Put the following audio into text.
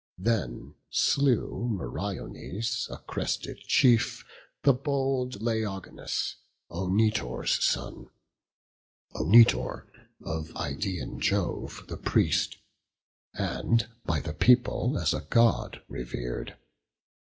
Then slew Meriones a crested chief, The bold Laogonus, Onetor's son; Onetor, of Idaean Jove the priest, And by the people as a God rever'd.